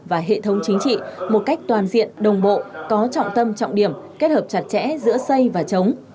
và hệ thống chính trị một cách toàn diện đồng bộ có trọng tâm trọng điểm kết hợp chặt chẽ giữa xây và chống